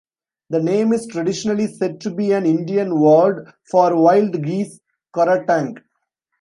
The name is traditionally said to be an Indian word for wild geese; Coratank.